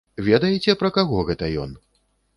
Ведаеце, пра каго гэта ён?